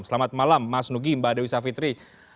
selamat malam mas nugi mbak dewi savitri